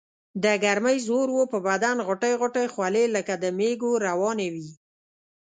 دګرمۍ زور وو پۀ بدن غوټۍ غوټۍ خولې لکه د مېږو روانې وي ـ